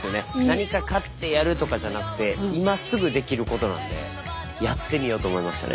何か買ってやるとかじゃなくて今すぐできることなんでやってみようと思いましたね。